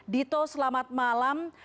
dito selamat malam